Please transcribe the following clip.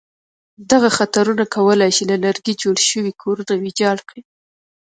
دغه خطرونه کولای شي له لرګي جوړ شوي کورونه ویجاړ کړي.